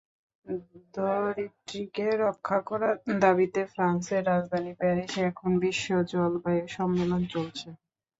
ধরিত্রীকে রক্ষা করার দাবিতে ফ্রান্সের রাজধানী প্যারিসে এখন বিশ্ব জলবায়ু সম্মেলন চলছে।